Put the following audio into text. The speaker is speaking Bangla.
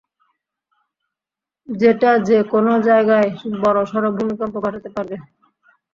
যেটা যে কোনও জায়গায় বড়সড় ভূমিকম্প ঘটাতে পারবে।